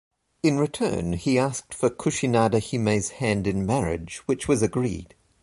In return, he asked for Kushinada-hime's hand in marriage, which was agreed.